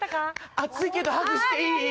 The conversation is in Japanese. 暑いけどハグしていい？